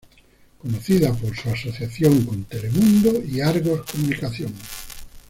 Conocida por su asociación con Telemundo y Argos Comunicación.